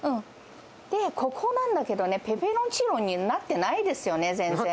で、ここなんだけどね、ペペロンチーノになってないですよね、全然。